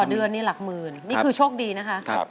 เดือนนี่หลักหมื่นนี่คือโชคดีนะคะ